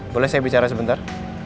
boleh saya bicara sebentar